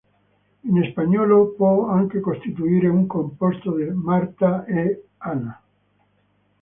In spagnolo può anche costituire un composto di "Marta" e "Ana".